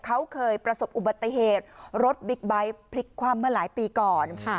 เขาเคยประสบอุบัติเหตุรถบิ๊กไบท์พลิกคว่ำเมื่อหลายปีก่อน